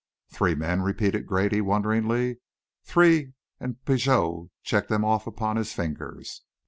"Three men!" repeated Grady, wonderingly. "Three," and Pigot checked them off upon his fingers.